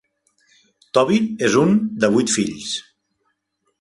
Toby és un de vuit fills.